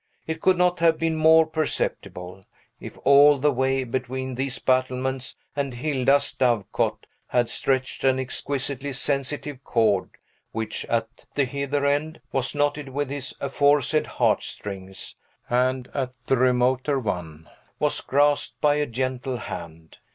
It could not have been more perceptible, if all the way between these battlements and Hilda's dove cote had stretched an exquisitely sensitive cord, which, at the hither end, was knotted with his aforesaid heart strings, and, at the remoter one, was grasped by a gentle hand.